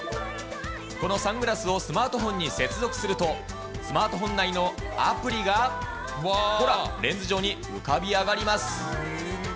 このサングラスをスマートフォンに接続すると、スマートフォン内のアプリが、ほら、レンズ上に浮かび上がります。